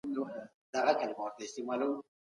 نړیوال معیارونه د تولیداتو د کیفیت تضمین کوي.